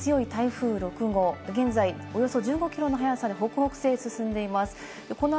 大型で強い台風６号、現在およそ１５キロの速さで北北西へ進んでいます。